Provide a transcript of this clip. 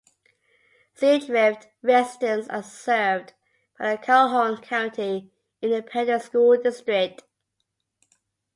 Seadrift residents are served by the Calhoun County Independent School District.